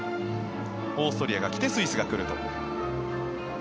オーストリアが来てスイスが来ると。